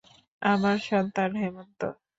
আমার সন্তান হেমন্ত।